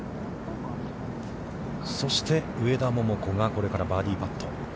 そして、上田桃子が、これからバーディーパット。